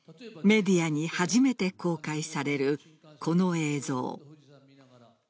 メディアに初めて公開されるこの映像。